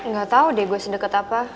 gak tau deh gue sedeket apa